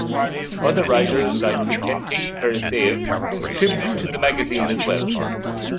Other writers like Vikenty Veresayev contributed to the magazine as well.